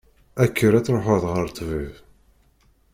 Kker ad truḥeḍ ɣer ṭṭbib.